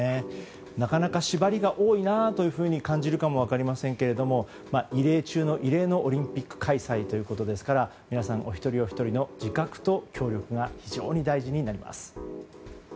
なかなか縛りが多いなと感じるかもしれませんけれども異例中の異例のオリンピック開催ということですから皆さんお一人お一人の自覚と協力が大事になります。